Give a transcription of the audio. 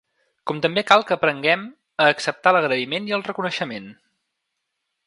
Com també cal que aprenguem a acceptar l’agraïment i el reconeixement.